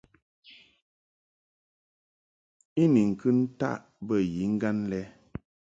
I ni ŋkɨ ntaʼ bə yiŋgan lɛ.